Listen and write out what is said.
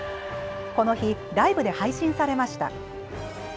この日はライブで配信されました。